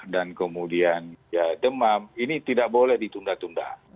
dan kemudian ya demam ini tidak boleh ditunda tunda